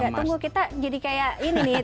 tunggu kita jadi kayak ini nih